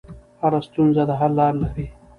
هر ستونزه د حل لار لري.